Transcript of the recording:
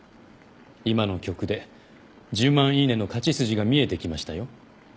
今の曲で１０万イイネの勝ち筋が見えてきましたよ。